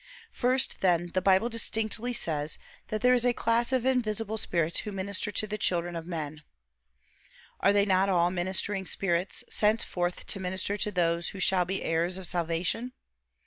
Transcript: First, then, the Bible distinctly says that there is a class of invisible spirits who minister to the children of men: "Are they not all ministering spirits, sent forth to minister to those who shall be heirs of salvation?"